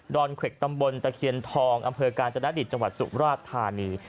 อนเขวกตำบลตะเคียนทองอำเภอกาญจนดิตจังหวัดสุมราชธานี